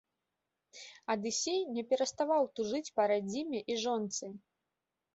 Адысей не пераставаў тужыць па радзіме і жонцы.